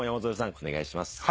お願いします。